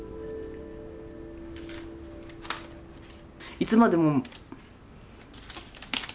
「いつまでも」。